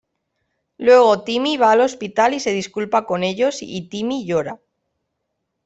Luego Timmy va al hospital y se disculpa con ellos y Timmy llora.